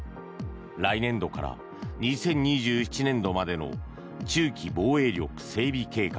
来年度から２０２７年度までの中期防衛力整備計画